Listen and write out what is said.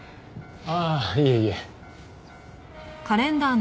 ああいえいえ。